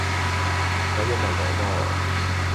有嘢咪講囉